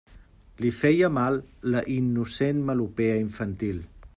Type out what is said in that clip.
Li feia mal la innocent melopea infantil.